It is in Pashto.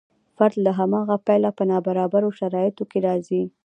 فرد له هماغه پیله په نابرابرو شرایطو کې راځي.